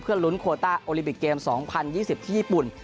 ลุ้นโคต้าโอลิปิกเกม๒๐๒๐ที่ญี่ปุ่น